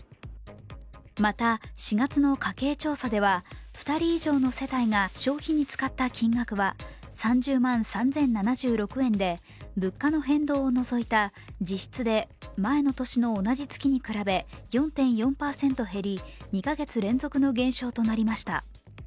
また４月の家計調査では２人以上の世帯が消費に使った金額は３０万３０７６円で物価の変動を除いた実質で前の年の同じ月に比べ４．４％減り２か月連続の減少となりました。